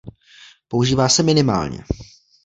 Používá se minimálně.